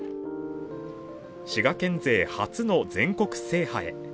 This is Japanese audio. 滋賀県勢初の全国制覇へ。